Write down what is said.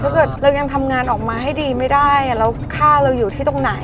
เกิดเรายังทำงานออกมาให้ดีไม่ได้แล้วค่าเราอยู่ที่ตรงไหน